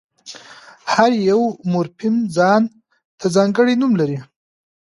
هر یو مورفیم ځان ته ځانګړی نوم لري.